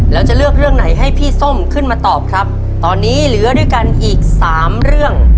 แล้วจะเลือกเรื่องไหนให้พี่ส้มขึ้นมาตอบครับตอนนี้เหลือด้วยกันอีกสามเรื่อง